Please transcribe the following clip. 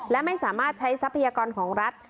และไม่สามารถใช้ทรัพยากรของรัฐ